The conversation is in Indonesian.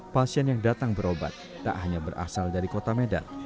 pasien yang datang berobat tak hanya berasal dari kota medan